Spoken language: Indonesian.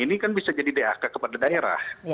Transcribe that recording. ini kan bisa jadi dak kepada daerah